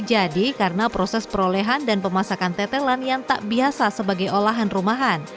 jadi karena proses perolehan dan pemasakan tetelan yang tak biasa sebagai olahan rumahan